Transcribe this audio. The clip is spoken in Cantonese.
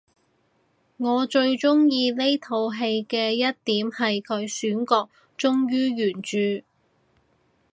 我最鍾意呢套戲嘅一點係佢選角忠於原著